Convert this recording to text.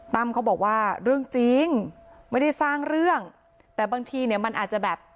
เขาบอกว่าเรื่องจริงไม่ได้สร้างเรื่องแต่บางทีเนี่ยมันอาจจะแบบ